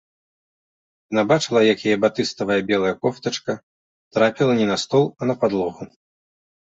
Яна бачыла, як яе батыставая белая кофтачка трапіла не на стол, а на падлогу.